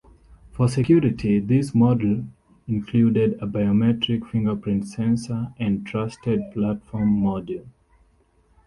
For security, this model included a biometric fingerprint sensor and Trusted Platform Module.